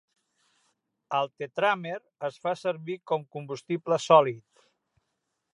El tetràmer es fa servir com combustible sòlid.